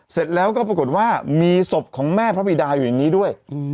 เสร็จแล้วก็ปรากฏว่ามีศพของแม่พระบิดาอยู่ในนี้ด้วย